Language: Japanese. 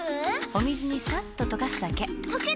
お水にさっと溶かすだけ。